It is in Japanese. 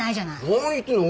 何言ってんの。